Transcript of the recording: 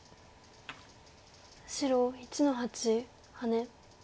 白１の八ハネ。